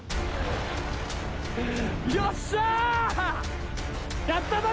よっしゃ！